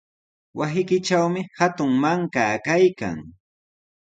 Wasiykitrawmi hatun mankaa kaykan.